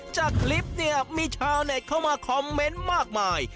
จากคลิปเนี่ยมีชาวเน็ตเข้ามาคอมเมนต์มากมาย